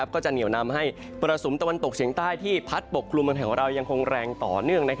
ก็จะเหนียวนำให้มรสุมตะวันตกเฉียงใต้ที่พัดปกครุมเมืองไทยของเรายังคงแรงต่อเนื่อง